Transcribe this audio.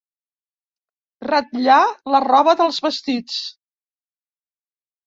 Ratllar la roba dels vestits.